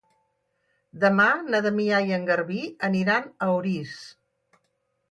Demà na Damià i en Garbí aniran a Orís.